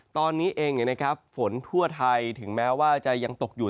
ตอนนี้เองฝนทั่วไทยถึงแม้ว่าจะยังตกอยู่